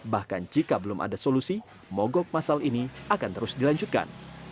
bahkan jika belum ada solusi mogok masal ini akan terus dilanjutkan